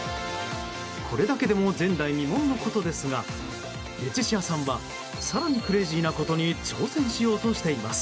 これだけでも前代未聞のことですがレチシアさんは更にクレイジーなことに挑戦しようとしています。